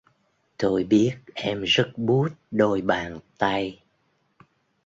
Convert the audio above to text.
Tôi biết em rất buốt đôi bàn tay